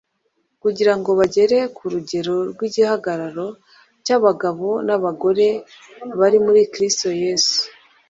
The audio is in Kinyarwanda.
kugira ngo bagere ku rugero rw’igihagararo cy’abagabo n’abagore bari muri Kristo Yesu